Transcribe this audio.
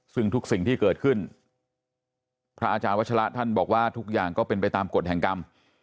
ซึ่งทุกสิ่งที่เกิดขึ้นพระอาจารย์วัชละท่านบอกว่าทุกอย่างก็เป็นไปตามกฎแห่งกรรม